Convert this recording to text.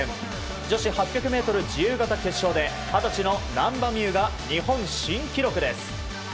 女子８００ｍ自由形決勝で二十歳の難波実夢が日本新記録です。